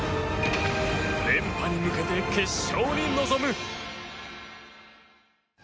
連覇に向けて決勝に臨む。